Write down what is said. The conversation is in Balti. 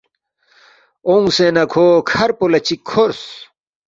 اونگسے نہ کھو کَھر پو لہ چِک کھورس